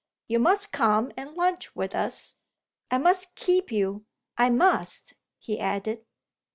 You must come and lunch with us. I must keep you I must!" he added.